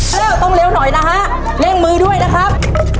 เร็วต้องเร็วหน่อยนะฮะเร่งมือด้วยนะครับ